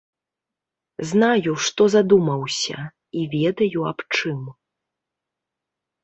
Знаю, што задумаўся, і ведаю, аб чым.